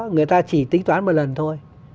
người ta chỉ tính toán một lần thôi